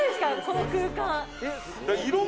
この空間」